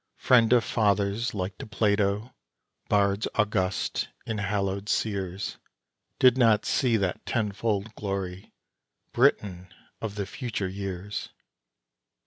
Friend of fathers like to Plato bards august and hallowed seers Did not see that tenfold glory, Britain of the future years!